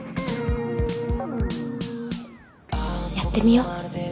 やってみよう。